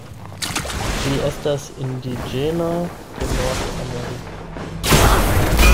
Ĝi estas indiĝena de Nordameriko.